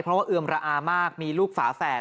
เพราะว่าเอือมระอามากมีลูกฝาแฝด